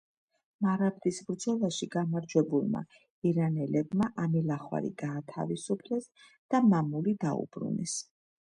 მარაბდის ბრძოლაში გამარჯვებულმა ირანელებმა ამილახვარი გაათავისუფლეს და მამული დაუბრუნეს.